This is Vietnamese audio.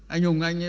anh hùng anh